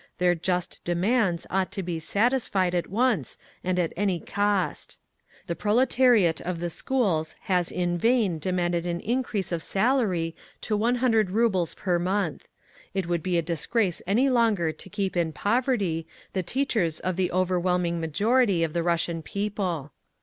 Their just demands ought to be satisfied at once and at any cost. The proletariat of the schools has in vain demanded an increase of salary to one hundred rubles per month. It would be a disgrace any longer to keep in poverty the teachers of the overwhelming majority of the Russian people.